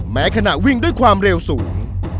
ขณะวิ่งด้วยความเร็วสูง